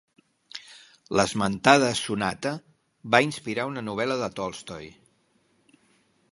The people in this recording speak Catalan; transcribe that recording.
L'esmentada sonata va inspirar una novel·la de Tolstoi.